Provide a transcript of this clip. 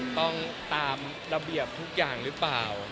ต้องตามระเบียบทุกอย่างหรือเปล่า